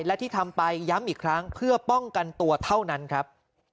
และที่ทำไปย้ำอีกครั้งเพื่อป้องกันตัวเท่านั้นครับ